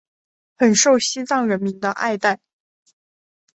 很受西藏人民的爱戴。